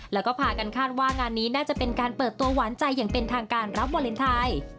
แล้วก็พากันคาดว่างานนี้น่าจะเป็นการเปิดตัวหวานใจอย่างเป็นทางการรับวาเลนไทย